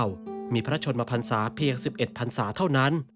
พระมีพระชนมพันศาเพียง๑๑พันศาเท่านั้น